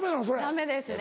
ダメですね。